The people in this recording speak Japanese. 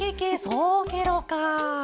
そうケロか！